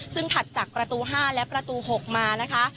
ซึ่งถัดจากประตู๕และประตู๖มานะคะ